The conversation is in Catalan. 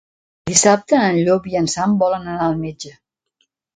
Dissabte en Llop i en Sam volen anar al metge.